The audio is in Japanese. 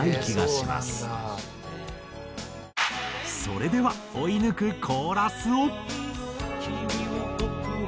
それでは追い抜くコーラスを。